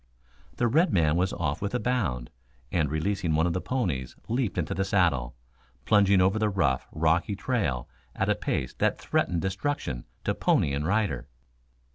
The red man was off with a bound, and releasing one of the ponies leaped into the saddle, plunging over the rough, rocky trail at a pace that threatened destruction to pony and rider.